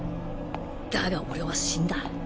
だが俺は死んだ。